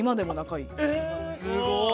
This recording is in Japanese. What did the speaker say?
えすごい！